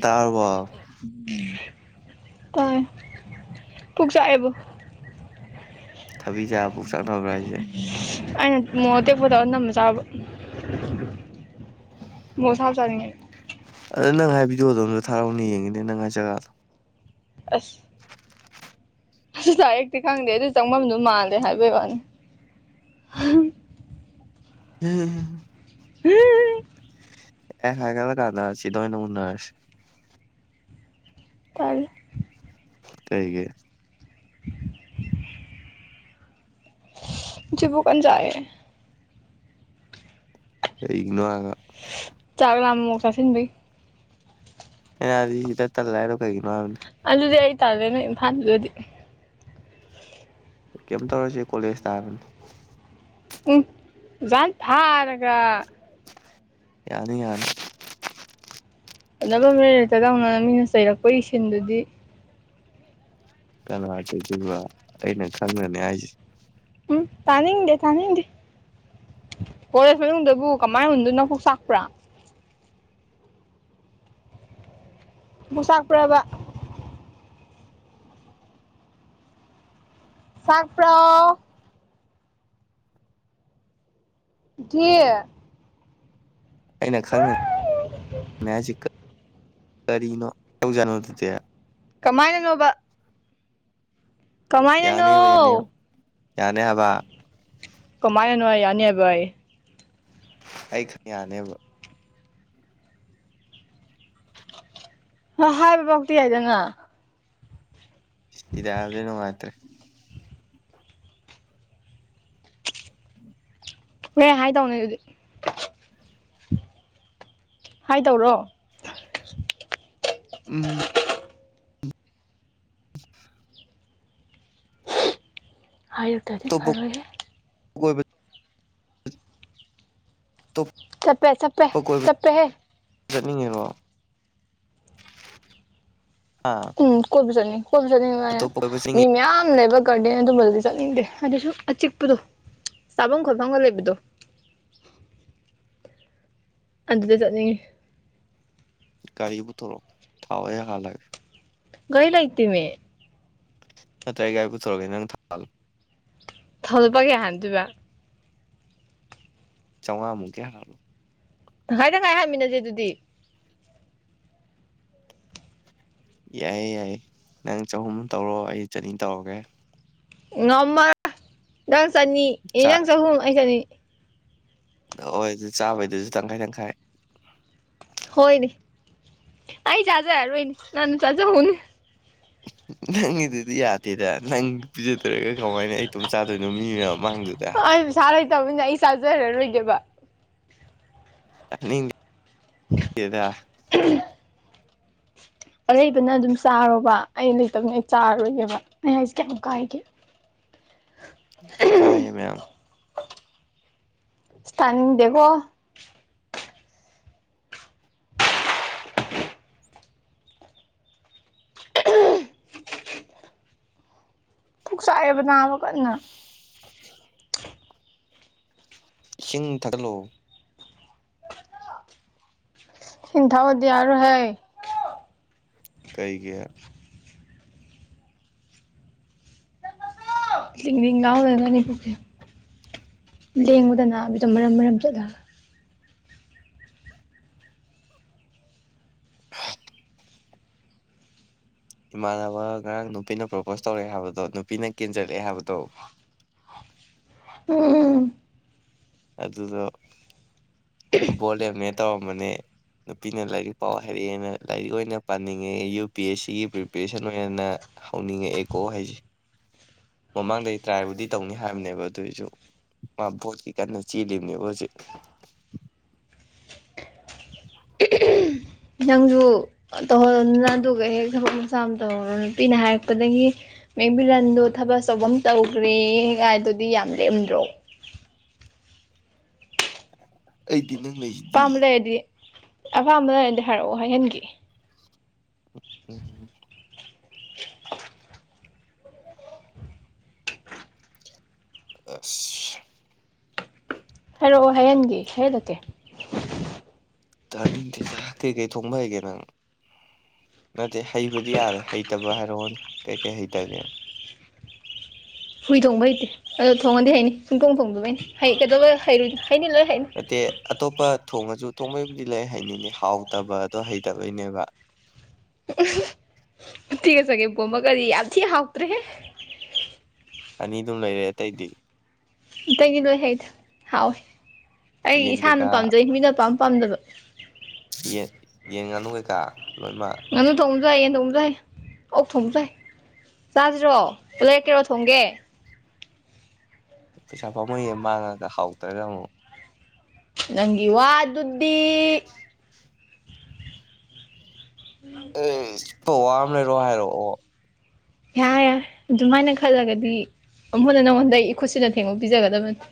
ꯇꯥꯔꯕꯣ ꯇꯥꯢ ꯄꯨꯛ ꯆꯥꯛꯑꯦꯕꯨ ꯊꯕꯤ ꯆꯥꯕ ꯄꯨꯛ ꯆꯥꯛꯅꯕ꯭ꯔꯥ ꯍꯥꯏꯖꯦ ꯑꯩꯅ ꯃꯣꯔꯣꯛ ꯇꯦꯛꯄ ꯇꯧꯔ ꯅꯝꯅ ꯆꯥꯕ ꯃꯣꯔꯣꯛ ꯑꯁꯥꯕ ꯆꯥꯅꯤꯡꯉꯦ ꯑꯗꯨ ꯅꯪ ꯍꯥꯏ ꯚꯤꯗꯤꯑꯣꯗꯣ ꯑꯝꯇꯥ ꯊꯥꯔꯛꯎꯅꯦ ꯌꯦꯡꯒꯦꯅꯦ ꯅꯪ ꯍꯥꯏ ꯖꯒꯥꯗꯣ ꯑꯁ ꯑꯁ ꯗꯥꯏꯔꯦꯛꯇꯤ ꯈꯪꯗꯦ ꯑꯗꯨ ꯆꯪꯕꯝꯗꯨ ꯃꯥꯜꯂꯦ ꯍꯥꯏꯕꯩꯋꯥꯅꯤ [unintelligible] [unintelligible] ꯑꯦ ꯍꯥꯏꯅꯔ ꯇꯥꯟꯅ ꯁꯤꯗꯑꯣꯏꯅ ꯎꯟꯅꯔꯁꯤ ꯇꯜꯂꯤ ꯀꯩꯒꯤ [inaudible] [unintelligible] ꯆꯥꯛꯑꯦ ꯀꯩꯒꯤꯅꯣ ꯍꯥꯏꯔꯒ ꯆꯥꯥꯛ ꯂꯥꯝꯃ ꯃꯣꯔꯣꯛ ꯆꯥꯁꯤꯟꯕꯩ ꯑꯩꯅ ꯍꯥꯏꯗꯤ ꯁꯤꯗ ꯇꯜꯂꯦ ꯍꯥꯢꯗꯣ ꯀꯩꯒꯤꯅꯣ ꯍꯥꯏꯕꯅꯤ ꯑꯗꯨꯗꯤ ꯑꯩ ꯇꯜꯂꯦ ꯅꯣꯢ ꯏꯝꯐꯥꯟꯗꯨꯗꯗꯤ ꯀꯩꯝ ꯇꯧꯔꯣꯏꯁꯦ ꯀꯣꯂꯦꯖ ꯇꯥꯕꯅꯤ ꯎꯝ ꯑꯣꯖꯥꯅ ꯐꯥꯔꯒ ꯌꯥꯅꯤ ꯌꯥꯅꯤ ꯐꯖꯕꯝ ꯏꯂꯩ ꯂꯩꯇꯗꯧꯅ ꯃꯤꯅ ꯆꯩꯔꯛꯄꯩ ꯁꯤꯟꯗꯨꯗꯤ ꯀꯅꯥ ꯆꯩꯗꯣꯢꯕ ꯑꯩꯅ ꯈꯪꯅꯅꯦ ꯍꯥꯏ [unintelligible] ꯎꯝ ꯇꯥꯅꯤꯡꯗꯦ ꯇꯥꯅꯤꯡꯗꯦ ꯀꯣꯂꯦꯖ ꯃꯅꯨꯡꯗꯕꯨ ꯀꯃꯥꯏ ꯎꯟꯗꯣꯏ ꯅꯀꯣꯛ ꯆꯥꯛꯄ꯭ꯔꯥ [unintelligible] ꯆꯥꯛꯄ꯭ꯔꯥꯕ ꯆꯥꯛꯄ꯭ꯔꯣ [unintelligible] ꯑꯩꯅ ꯈꯪꯅ ꯅꯦꯍꯥꯏꯁꯤ ꯀ ꯀꯔꯤꯅꯣ ꯇꯧꯖꯥꯠꯅꯣ ꯑꯗꯨꯗꯤ ꯀꯃꯥꯏꯅꯅꯣꯕ ꯌꯥꯅꯤꯕ ꯌꯥꯅꯤ ꯀꯃꯥꯏꯅꯅꯣ ꯌꯥꯅꯤ ꯍꯥꯏꯕ ꯀꯃꯥꯏꯅꯅꯣ ꯌꯥꯅꯤ ꯍꯥꯏꯕ ꯑꯌꯦ ꯑꯩ ꯈꯛ ꯌꯥꯅꯦꯕ ꯑꯗꯣ ꯍꯥꯏꯕꯕꯧꯇꯤ ꯌꯥꯏꯗꯅ ꯁꯤꯗ ꯍꯥꯏꯕꯗꯤ ꯅꯨꯡꯉꯥꯏꯇꯦ ꯍꯣꯔꯦꯟ ꯍꯥꯏꯗꯧꯅꯤ ꯑꯗꯨꯗꯤ ꯍꯥꯏꯗꯧꯔꯣ ꯎꯝ [inaudible] ꯍꯥꯏꯔꯛꯇ꯭ꯔꯥꯗꯤ ꯑꯇꯣꯞꯄ ꯐꯔꯣꯏꯍꯦ ꯀꯣꯏꯕ [unintelligible] ꯆꯞꯄꯦ ꯆꯞꯄꯦ ꯀꯣꯏꯕ ꯆꯞꯄꯦ ꯍꯦ ꯆꯠꯅꯤꯡꯉꯤꯔꯣ ꯑꯥ ꯎꯝ ꯀꯣꯏꯕ ꯆꯠꯅꯤꯡ ꯀꯣꯏꯕ ꯆꯅꯤꯡꯉꯦ ꯑꯇꯣꯞꯄ ꯀꯣꯏꯕ ꯆꯠꯅꯤꯡꯉꯤ ꯃꯤ ꯃꯌꯥꯝ ꯂꯩꯕ ꯀ꯭ꯔꯗꯦꯟ ꯑꯗꯨꯝꯕꯗꯨꯗꯤ ꯆꯠꯅꯤꯡꯗꯦ ꯑꯗꯨꯁꯨ ꯑꯆꯤꯛꯄꯗꯣ ꯆꯥꯕꯝ ꯈꯣꯠꯐꯝꯒ ꯂꯩꯕꯗꯣ ꯑꯗꯨꯗ ꯆꯠꯅꯤꯡꯉꯤ ꯒꯥꯔꯤ ꯄꯨꯊꯣꯔꯛꯑꯣ ꯊꯥꯎ ꯑꯩ ꯍꯥꯜꯂꯒꯦ ꯒꯥꯔꯤ ꯂꯩꯇꯦꯃꯤ ꯅꯠꯇ꯭ꯔ ꯑꯩ ꯒꯥꯥꯔꯤ ꯄꯨꯊꯣꯔꯒꯦ ꯅꯪ ꯊꯥꯎ ꯍꯥꯜꯂꯣ ꯊꯥꯎ ꯂꯨꯄꯥ ꯀꯌꯥ ꯍꯥꯟꯗꯣꯏꯕ ꯆꯧꯉꯥꯃꯨꯛꯀꯤ ꯍꯥꯜꯂꯣ ꯇꯪꯈꯥꯏ ꯇꯪꯈꯥꯏ ꯍꯥꯟꯃꯤꯟꯅꯖ‌ꯦ ꯑꯗꯨꯗꯤ ꯌꯥꯏꯌꯦ ꯌꯥꯏꯌꯦ ꯅꯪ ꯆꯍꯨꯝ ꯇꯧꯔꯣ ꯑꯩ ꯆꯅꯤ ꯇꯧꯔꯒꯦ ꯉꯝꯃꯔꯣꯏ ꯅꯪ ꯆꯅꯤ ꯑꯦ ꯆꯥ ꯅꯪ ꯆꯍꯨꯝ ꯑꯩ ꯆꯅꯤ ꯍꯣꯏ ꯑꯗꯨꯗꯤ ꯆꯥꯕꯩꯗꯨꯖꯨ ꯇꯪꯈꯥꯏ ꯇꯪꯈꯥꯏ ꯍꯣꯏꯅꯦ ꯑꯩ ꯆꯥꯖꯔꯔꯣꯏꯅꯦ ꯅꯅ ꯆꯥꯖꯍꯧꯅꯦ ꯅꯪꯒꯤꯗꯨꯗꯤ ꯌꯥꯗꯦꯗ ꯅꯪ ꯄꯤꯖꯗꯔꯒ ꯀꯃꯥꯏꯅ ꯑꯩ ꯏꯇꯣꯝ ꯆꯥꯗꯣꯏꯅꯣ ꯃꯤ ꯃꯌꯥꯝ ꯃꯥꯛꯗꯨꯗꯥ ꯆꯥꯔ‌ꯣꯏ ꯊꯧꯕꯅꯤꯅꯥ ꯑꯩ ꯆꯥꯔꯖꯔꯥ ꯔꯣꯏꯒꯦꯕ ꯇꯥꯅꯤꯡ ꯗꯦꯗꯥ ꯎꯝ ꯑꯔꯩꯕꯅ ꯑꯗꯨꯝ ꯆꯥꯔꯣꯕ ꯑꯩ ꯂꯩꯇꯕꯅꯤꯅ ꯑꯩ ꯆꯥꯔꯔꯣꯏꯒꯦꯕ ꯑꯩ ꯍꯥꯏꯁꯦ ꯀꯌꯥꯝ ꯀꯥꯏꯒꯦ [unintelligible] ꯀꯥꯏꯌꯦ ꯑꯁ ꯃꯌꯥꯝ ꯑꯁ ꯇꯥꯅꯤꯡꯗꯦꯀꯣ ꯄꯨꯛ ꯆꯥꯛꯑꯦꯕ ꯅꯥꯕ ꯀꯟꯅ [inaudible] ꯏꯁꯤꯡ ꯊꯛꯂꯣ ꯏꯁꯤꯡ ꯊꯛꯑꯨꯔꯗꯤ ꯌꯥꯔꯔꯣꯏ ꯍꯦ ꯀꯩꯒꯤ ꯂꯤꯡꯂꯤꯡ ꯂꯥꯎ ꯂꯩꯔꯒꯅꯤ ꯄꯨꯛꯁꯦ ꯂꯦꯡꯕꯗ ꯅꯥꯕꯤꯗꯣ ꯃꯔꯝ ꯃꯔꯝ ꯆꯠꯂꯒ [unintelligible] ꯏꯃꯥꯟꯅꯕ ꯉꯔꯥꯡ ꯅꯨꯄꯤꯅ ꯄ꯭ꯔꯣꯄꯣꯁ ꯇꯧꯔꯛꯑꯦ ꯍꯥꯏꯕꯗꯣ ꯅꯨꯄꯤꯅ ꯀꯦꯟꯖꯜꯂꯛꯑꯦ ꯍꯥꯏꯕꯗꯣ ꯎꯝ ꯑꯗꯨꯗꯣ ꯚꯣꯠ ꯂꯦꯞꯅꯦ ꯇꯧꯔꯝꯕꯅꯦ ꯅꯨꯄꯤꯅ ꯂꯥꯏꯔꯤꯛ ꯄꯥꯎ ꯍꯥꯏꯔꯛꯑꯦꯅ ꯂꯥꯏꯔꯤꯛ ꯑꯣꯏꯅ ꯄꯥꯅꯤꯡꯉꯦ ꯌꯨ ꯄꯤ ꯑꯦꯁ ꯁꯤꯒꯤ ꯄ꯭ꯔꯤꯄꯦꯔꯦꯁꯟ ꯑꯣꯏꯅ ꯍꯧꯅꯤꯡꯉꯛꯑꯦꯀꯣ ꯍꯥꯏꯁꯦ ꯃꯃꯥꯡꯗꯩ ꯇ꯭ꯔꯥꯏꯕꯨꯗꯤ ꯇꯧꯅꯤ ꯍꯥꯏꯕꯅꯦꯕ ꯑꯗꯨꯑꯣꯏꯁꯨ ꯃꯥ ꯚꯣꯠꯀꯤ ꯀꯟꯅ ꯆꯦꯜꯂꯤꯅꯦꯕ ꯍꯧꯖꯤꯛ ꯅꯪꯁꯨ ꯇꯧꯍꯜꯂꯣꯗꯅ ꯑꯗꯨꯒ ꯍꯦꯛ ꯊꯕꯛ ꯃꯆꯥ ꯑꯃ ꯍꯦꯛ ꯇꯧꯍꯧꯔꯣ ꯅꯨꯄꯤꯅ ꯍꯥꯏꯔꯛꯄꯗꯒꯤ ꯃꯦꯡꯕꯤꯔꯟꯗꯣ ꯊꯕꯛ ꯑꯆꯧꯕ ꯑꯃ ꯇꯧꯈ꯭ꯔꯦꯌꯦ ꯀꯥꯏꯗꯨꯗꯤ ꯌꯥꯝ ꯂꯦꯝꯗ꯭ꯔꯣ ꯑꯩꯗꯤ ꯅꯪ ꯂꯩꯖꯤ ꯑꯄꯥꯝꯕ ꯂꯩꯔꯗꯤ ꯑꯄꯥꯝꯕ ꯂꯩꯔꯗꯤ ꯍꯥꯏꯔꯛꯑꯣ ꯍꯥꯏꯍꯟꯒꯦ ꯎꯝꯎꯝ [unintelligible] ꯑꯁ ꯍꯥꯏꯔꯛꯑꯣ ꯍꯥꯏꯍꯟꯒꯦ ꯍꯥꯏꯍꯜꯂꯛꯀꯦ ꯇꯥꯅꯤꯡꯗꯦ ꯆꯥꯛ ꯀꯩꯀꯩ ꯊꯣꯡꯕ ꯍꯩꯒꯦ ꯅꯪ ꯅꯠꯇꯦ ꯍꯩꯕꯗꯤ ꯌꯥꯔꯦ ꯍꯩꯇꯕ ꯍꯥꯏꯔꯛꯑꯣꯅꯦ ꯀꯩꯀꯩ ꯍꯩꯇꯒꯦ ꯍꯨꯏ ꯊꯣꯡꯕ ꯍꯩꯇꯦ ꯑꯗꯣ ꯊꯣꯡꯉꯗꯤ ꯍꯩꯅꯤ ꯁꯨꯡꯊꯣꯡ ꯊꯣꯡꯗꯕꯩꯅꯤ ꯍꯩ ꯀꯩꯗꯧꯕꯒꯤ ꯍꯩ ꯍꯩꯅꯤ ꯂꯣꯏ ꯍꯩꯅꯤ ꯅꯠꯇꯦ ꯑꯇꯣꯞꯄ ꯊꯣꯡꯉꯁꯨ ꯊꯣꯡꯕꯩꯕꯨꯗꯤ ꯂꯩ ꯍꯩꯅꯤꯅꯦ ꯍꯥꯎꯇꯕꯗꯣ ꯍꯩꯇꯕꯩꯅꯦꯕ ꯎꯇꯤꯒ ꯆꯒꯦꯝꯄꯣꯝꯕꯒꯗꯤ ꯌꯥꯝ ꯊꯤ ꯍꯥꯎꯇ꯭ꯔꯦꯍꯦ ꯑꯅꯤꯗꯨꯝ ꯂꯩꯔꯦ ꯑꯇꯩꯗꯤ ꯑꯇꯩꯒꯤ ꯂꯣꯏ ꯍꯩꯗ ꯍꯥꯎꯏ ꯑꯩ ꯌꯦꯟ ꯏꯁꯥꯅ ꯀꯩꯀꯥ ꯄꯥꯝꯖꯩ ꯃꯤꯅ ꯄꯥꯥꯝ ꯄꯥꯝꯗꯕ ꯌꯦ ꯌꯦꯟ ꯉꯥꯅꯨ ꯀꯩꯀꯥ ꯂꯣꯏꯃꯛ ꯉꯥꯅꯨ ꯊꯣꯡꯕꯖꯨ ꯍꯩ ꯌꯦꯟ ꯊꯣꯡꯕꯖꯨ ꯍꯩ ꯑꯣꯛ ꯊꯣꯡꯕꯖꯨ ꯍꯩ ꯆꯥꯖꯤꯔꯣ ꯂꯩꯔꯛꯀꯦꯔꯣ ꯊꯣꯡꯒꯦ ꯄꯩꯁꯥ ꯄꯥꯝꯃꯨꯏꯌꯦ ꯃꯥꯡꯉꯒ ꯍꯥꯎꯇ꯭ꯔꯒ ꯑꯃꯨꯛ ꯅꯪꯒꯤ ꯋꯥꯗꯨꯗꯤ ꯑꯦꯁ ꯄꯧꯋꯥ ꯑꯃ ꯂꯩꯔꯣ ꯍꯥꯏꯔꯛꯑꯣ ꯌꯥꯔꯦ ꯌꯥꯔꯦ ꯑꯗꯨꯃꯥꯏꯅ ꯈꯜꯂꯒꯗꯤ ꯑꯃꯨꯛ ꯍꯟꯅ ꯅꯪꯉꯣꯟꯗ ꯏꯈꯨꯠꯁꯤꯅ ꯊꯦꯡꯕ ꯄꯤꯖꯒꯗꯕ ꯅꯠꯇꯦ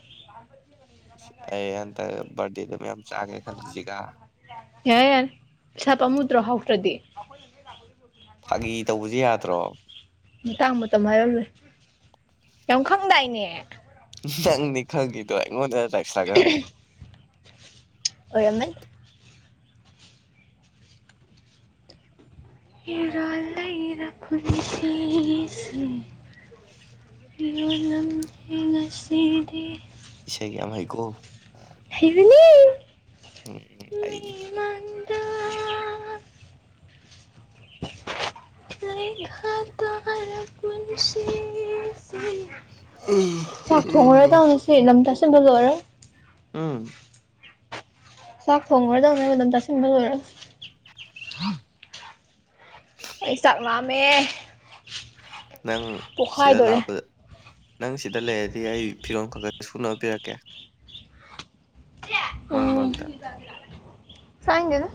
ꯑꯩ ꯍꯟꯇꯛ ꯕꯔꯗꯦꯗ ꯃꯌꯥꯝ ꯆꯥꯒꯦ ꯈꯜꯂꯤꯖꯤꯒ ꯌꯥꯔꯦ ꯌꯥꯔꯦ ꯄꯩꯁꯥ ꯄꯥꯝꯃꯨꯗ꯭ꯔꯣ ꯍꯥꯎꯇ꯭ꯔꯗꯤ ꯑꯈꯣꯏ [unintelligible] ꯐꯥꯒꯤ ꯇꯧꯕꯖꯦ ꯌꯥꯗ꯭ꯔꯣ ꯥꯃꯇꯥꯡ ꯃꯇꯝ ꯍꯥꯏꯕ ꯑꯝꯂꯩ ꯌꯥꯝ ꯈꯪꯗꯥꯏꯅꯦ ꯅꯪꯅꯤ ꯈꯪꯉꯤꯗꯣ ꯑꯩꯉꯣꯟꯗꯒ ꯇꯥꯏꯁꯜꯂꯛꯀꯅꯨ ꯑꯣꯏꯔꯝꯃꯅꯤ ꯏꯔꯥꯜ ꯂꯩꯔꯥ ꯄꯨꯟꯁꯤꯁꯦ ꯌꯣꯜ ꯂꯝꯂꯦ ꯉꯁꯤꯗꯤ ꯏꯁꯩꯒ ꯌꯥꯝ ꯍꯩꯀꯣ ꯍꯩꯕꯅꯦ ꯑꯦꯑꯦ ꯑꯩꯗꯤ [unintelligible] ꯂꯩꯈꯥ ꯇꯥꯔ ꯄꯨꯟꯁꯤ ꯁꯤꯁꯦ ꯆꯥꯛ ꯊꯣꯡꯉꯨꯔꯗꯧꯅꯤ ꯁꯤ ꯂꯝ ꯇꯥꯁꯟꯕ ꯂꯣꯏꯔꯒ ꯎꯝ ꯆꯥꯛ ꯊꯣꯡꯉꯨꯔꯗꯧꯅꯦꯕ ꯂꯝ ꯇꯁꯤꯟꯕ ꯂꯣꯏꯔꯥ ꯑꯩ ꯆꯥꯛ ꯂꯥꯝꯃꯦ ꯅꯪ ꯁꯤꯗ ꯄꯣꯛꯈꯥꯏꯗꯣꯔꯦ ꯂꯥꯛꯄꯗ ꯅꯪ ꯁꯤꯗ ꯂꯩꯔꯗꯤ ꯑꯩ ꯐꯤꯔꯣꯜ ꯈꯥ ꯈꯥ ꯁꯨꯅꯕ ꯄꯤꯔꯛꯀꯦ ꯃꯔꯛ ꯎꯪ ꯃꯔꯛꯇ ꯆꯥꯅꯤꯡꯗꯦꯗ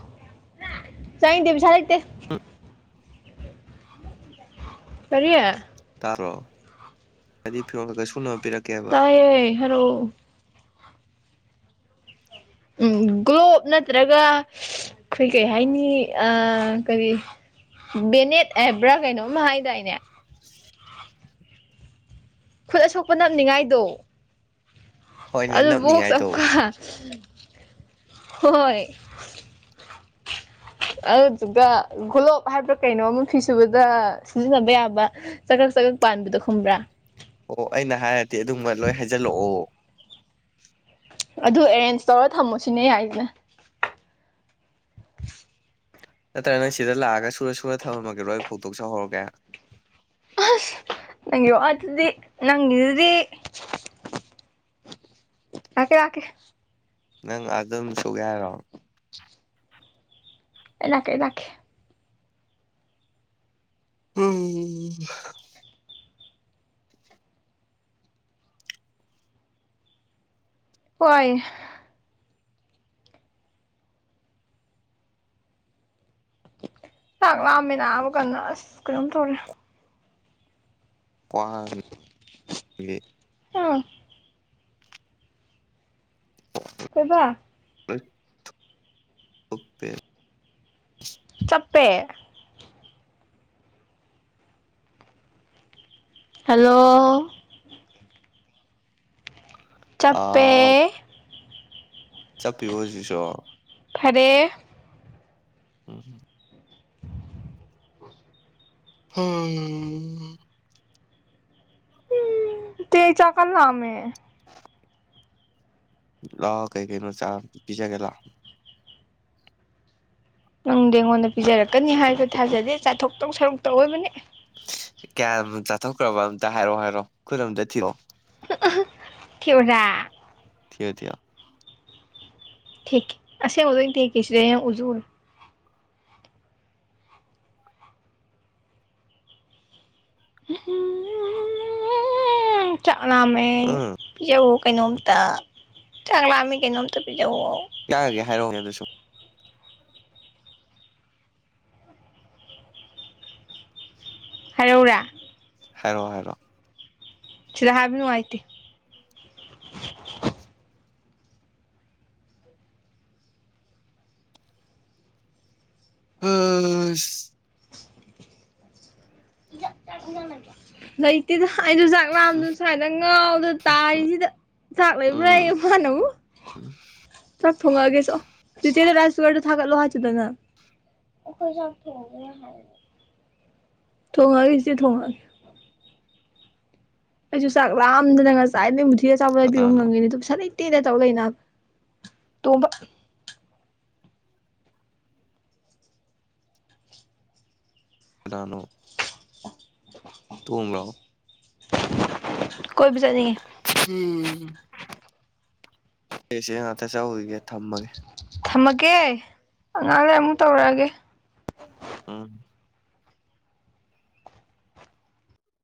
ꯆꯥꯅꯤꯡꯗꯦ ꯄꯩꯁꯥ ꯂꯩꯇꯦ ꯀꯔꯤ ꯇꯥꯕ꯭ꯔꯣ ꯍꯥꯏꯗꯤ ꯐꯤꯔꯣꯜ ꯈꯈ ꯁꯨꯅꯕ ꯄꯤꯔꯛꯀꯦ ꯇꯥꯏꯌꯦ ꯍꯥꯏꯔꯛꯑꯣ ꯎꯝ ꯒ꯭ꯂꯣꯞ ꯅꯠꯇ꯭ꯔꯒ ꯑꯈꯣꯏ ꯀꯩ ꯍꯥꯏꯅꯤ ꯑꯥ ꯀꯔꯤ ꯕꯦꯅꯦꯠ ꯍꯥꯏꯕ꯭ꯔꯥ ꯀꯩꯅꯣꯝ ꯍꯥꯏꯗꯥꯏꯅꯦ [inaudible] ꯈꯨꯠ ꯑꯁꯣꯛꯄ ꯅꯞꯅꯤꯡꯉꯥꯏꯗꯣ ꯍꯣꯏꯅꯦ ꯑꯗꯨ ꯕꯣꯛꯁ ꯅꯞꯅꯤꯡꯉꯥꯏ ꯇꯧ ꯑꯝꯒ ꯍꯣꯏ ꯑꯗꯨꯗꯨꯒ ꯒꯣꯂꯣꯞ ꯍꯥꯏꯕ꯭ꯔꯥ ꯀꯩꯅꯣ ꯑꯃ ꯐꯤ ꯁꯨꯕꯗ ꯁꯤꯖꯤꯟꯅꯕ ꯌꯥꯕ ꯆꯒꯛ ꯆꯒꯛ ꯄꯥꯟꯕꯗꯣ ꯈꯪꯕ꯭ꯔꯥ ꯑꯣ ꯑꯩꯅ ꯍꯥꯏꯔꯗꯤ ꯑꯗꯨꯕ ꯂꯣꯏ ꯍꯥꯏꯖꯜꯂꯛꯑꯣ ꯑꯗꯨ ꯑꯦꯔꯦꯟꯖ ꯇꯧꯔ ꯊꯝꯃꯣ ꯁꯤꯅꯦ ꯑꯩꯅ ꯍꯥꯏꯖꯤꯅ ꯅꯠꯇ꯭ꯔꯥꯒꯅ ꯁꯤꯗ ꯂꯥꯛꯑꯒ ꯁꯨꯔ ꯁꯨꯔ ꯊꯝꯃꯝꯃꯒꯦꯔꯣ ꯑꯩ ꯐꯧꯗꯣꯛ ꯆꯥꯍꯧꯔꯒꯦ ꯑꯁ ꯅꯪꯒꯤ ꯋꯥꯗꯨꯗꯤ ꯅꯪꯒꯤꯗꯨꯗꯤ ꯂꯥꯛꯀꯦ ꯂꯥꯛꯀꯦ ꯅꯪ ꯑꯗꯨꯝ ꯁꯨꯒꯦ ꯍꯥꯏꯔꯣ ꯑꯩ ꯂꯥꯛꯀꯦ ꯑꯩ ꯂꯥꯛꯀꯦ ꯎꯝ꯫ ꯍꯣꯏ ꯆꯥꯛ ꯂꯥꯝꯃꯦ ꯅꯥꯕ ꯀꯟꯅ ꯑꯁ ꯀꯩꯅꯣꯝ ꯇꯧꯔꯦ ꯀꯥꯎꯃꯤ ꯒꯤ [unintelligible] ꯀꯩꯕꯥ ꯂꫭꯏ ꯊꯨꯞ ꯊꯨꯞꯄꯦ ꯆꯞꯄꯦ ꯍꯜꯂꯣ ꯆꯞꯄꯦ ꯑꯥ ꯆꯞꯄꯤꯕꯣ ꯍꯧꯖꯤꯛꯁꯨ ꯐꯔꯦ ꯎꯝ ꯍꯝ ꯍꯥ ꯑꯥ ꯎꯝ ꯗꯦ ꯆꯥꯛ ꯀꯜ ꯂꯥꯝꯃꯦ ꯂꯥꯛꯑꯣ ꯀꯩ ꯀꯩꯅꯣ ꯆꯥ ꯄꯤꯖꯒꯦ ꯂꯥꯛꯑꯣ ꯅꯪꯗꯤ ꯑꯩꯉꯣꯟꯗ ꯄꯤꯖꯔꯛꯀꯅꯤ ꯍꯥꯏꯕ ꯊꯥꯖꯗꯦ ꯆꯥꯊꯣꯛꯇꯧ ꯁꯔꯨꯛꯇ ꯑꯣꯏꯕꯅꯦ ꯀꯌꯥꯝꯕꯨ ꯆꯥꯊꯣꯛꯈ꯭ꯔꯥꯕ ꯑꯝꯇ ꯍꯥꯏꯔꯣꯑꯣ ꯍꯥꯏꯔꯣ ꯈꯨꯠ ꯑꯃꯝꯇ ꯊꯤꯔꯛꯑꯣ ꯊꯤꯑꯣꯔꯥ ꯊꯤꯌꯣ ꯊꯤꯌꯣ ꯊꯦꯛꯀꯦ ꯑꯁꯦꯡꯕꯒꯩ ꯊꯦꯛꯀꯦ ꯁꯤꯗꯩ ꯍꯦꯟ ꯎꯁꯨ ꯎꯔꫭꯏ ꯆꯥꯛ ꯂꯥꯝꯃꯦ ꯑꯩ ꯎꯝ ꯄꯤꯖꯥꯎꯋꫭ ꯀꯩꯅꯣꯝꯇ ꯆꯥꯛ ꯂꯥꯝꯃꯦ ꯀꯩꯅꯣꯝꯇ ꯄꯤꯖꯧꯋꯣ ꯌꯥꯒꯦ ꯍꯥꯏꯔꯛ ꯎꯅꯦ ꯑꯗꯨꯁꯨ [inaudible] ꯍꯥꯏꯔꯛ ꯎꯔꯥ ꯍꯥꯏꯔꯛꯑꯣ ꯍꯥꯏꯔꯛꯑꯣ ꯁꯤꯗ ꯍꯥꯏꯕ ꯅꯨꯡꯉꯥꯏꯇꯦ ꯑꯁ [inaudible] ꯏꯌꯥꯛ ꯆꯥꯛ ꯏꯟꯁꯥꯡ ꯂꯩꯕ꯭ꯔꫭ ꯂꯩꯇꯦꯗ ꯑꯩꯖꯨꯆꯥꯛ ꯂꯥꯝꯗꯅ ꯁ꯭ꯋꯥꯏꯗ ꯉꯥꯎꯗ ꯇꯥꯔꯤꯁꯤꯗ ꯆꯥꯛ ꯎꯝ ꯂꯩꯕ꯭ꯔꯥꯑꯦ ꯃꯥꯅ ꯑꯃꯨꯛ ꯆꯥꯛ ꯊꯣꯡꯉꯛꯑꯒꯦ ꯆꯣ ꯆꯤꯆꯦꯗꯣ ꯔꯥꯏꯁ ꯀꯨꯀꯔꯗꯣ ꯊꯥꯒꯠꯂꯣ ꯍꯥꯏꯆꯣꯗꯗꯅ ꯑꯣꯈꯣꯏ ꯆꯥꯛ ꯊꯣꯡꯗ꯭ꯔꯦ ꯍꯥꯏ ꯊꯣꯡꯉꯒꯦ ꯆꯦꯆꯦ ꯊꯣꯡꯉꯒꯦ ꯑꯩꯁꯨ ꯆꯥꯛ ꯂꯥꯝꯗꯅ ꯉꯁꯥꯏꯗꯒꯤ ꯃꯨꯊꯤꯗ ꯑꯆꯥꯄꯣꯠ ꯂꯩꯕꯤꯕꯣ ꯀꯅꯥꯅꯣ ꯉꯝꯉꯤꯅꯦ ꯑꯗꯣ ꯄꯩꯁꯥ ꯂꯩ [unintelligible] ꯀꯅꯥꯅꯣ ꯇꯣꯡꯂꯥꯎ ꯀꯣꯕ ꯆꯠꯅꯤꯡꯉꯦ ꯑꯩꯁꯦ ꯁꯤ ꯉꯥꯛꯇ ꯆꯧꯒꯤꯒꯦ ꯊꯝꯃꯒꯦ ꯊꯝꯃꯒꯦ ꯉꯥꯍꯛ ꯂꯩꯔꯒ ꯑꯃꯨꯛ ꯇꯧꯔꯛꯑꯒꯦ ꯎꯝ